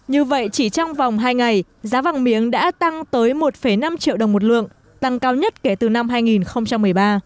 như vậy chỉ trong vòng hai ngày giá vàng miếng đã tăng tới một năm triệu đồng một lượng tăng cao nhất kể từ năm hai nghìn một mươi ba